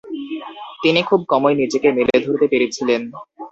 তিনি খুব কমই নিজেকে মেলে ধরতে পেরেছিলেন।